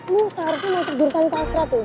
lu seharusnya masuk jurusan sasra tuh